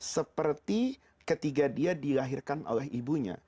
seperti ketika dia dilahirkan oleh ibunya